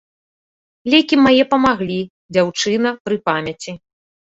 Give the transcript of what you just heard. Лекі мае памаглі, дзяўчына пры памяці.